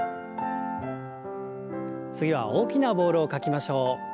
次は大きなボールを描きましょう。